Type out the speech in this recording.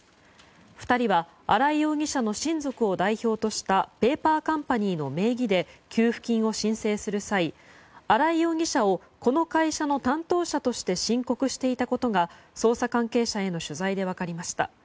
２人は新井容疑者の親族を代表としたペーパーカンパニーの名義で給付金を申請する際新井容疑者をこの会社の担当者として申告していたことが捜査関係者への取材で分かりました。